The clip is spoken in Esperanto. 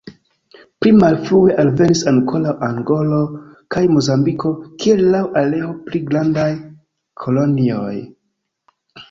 Pli malfrue alvenis ankoraŭ Angolo kaj Mozambiko kiel laŭ areo pli grandaj kolonioj.